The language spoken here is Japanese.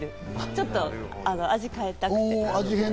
ちょっと味を変えたくて。